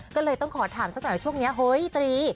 ก็เลยต้องขอถามสักหน่อยช่วงนี้เฮ้ยตรี